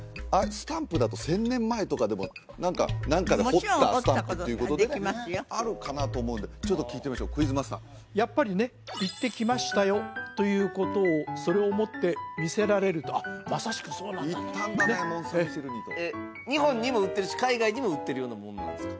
スタンプだと１０００年前とかでも何かで彫ったスタンプっていうことであるかなと思うんでちょっと聞いてみましょうクイズマスターやっぱりね行ってきましたよということをそれをもって見せられるとまさしくそうなんだとえっ日本にも売ってるし海外にも売ってるようなものなんですか？